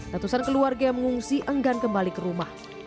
ratusan keluarga yang mengungsi enggan kembali ke rumah